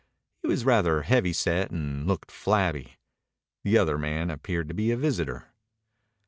He was rather heavy set and looked flabby. The other man appeared to be a visitor.